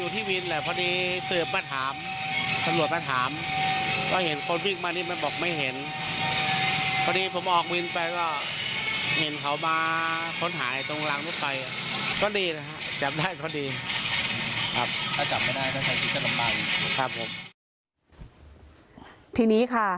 ทีนี้ค่ะ